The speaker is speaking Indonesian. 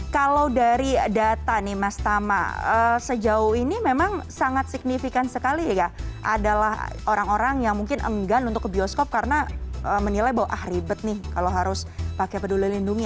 kalau dari data nih mas tama sejauh ini memang sangat signifikan sekali ya adalah orang orang yang mungkin enggan untuk ke bioskop karena menilai bahwa ah ribet nih kalau harus pakai peduli lindungi